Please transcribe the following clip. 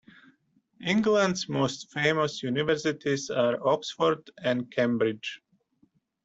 England’s most famous universities are Oxford and Cambridge